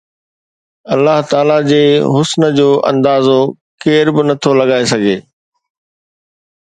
الله تعاليٰ جي حسن جو اندازو ڪير به نٿو لڳائي سگهي